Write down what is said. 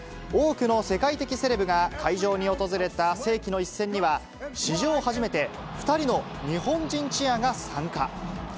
多くの世界的セレブが会場に訪れた世紀の一戦には、史上初めて、２人の日本人チアが参加。